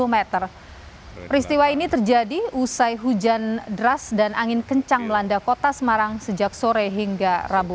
dua puluh meter peristiwa ini terjadi usai hujan deras dan angin kencang melanda kota semarang sejak sore hingga rabu